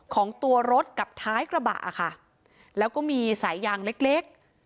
ของตัวรถกับท้ายกระบะค่ะแล้วก็มีสายยางเล็กเล็ก